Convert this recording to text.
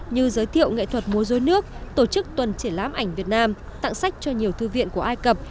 như giới thiệu nghệ thuật mối rối nước tổ chức tuần triển lám ảnh việt nam tặng sách cho nhiều thư viện của ai cập